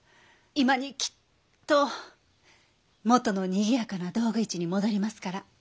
今にきっと元のにぎやかな道具市に戻りますから。